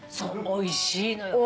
おいしいのよ。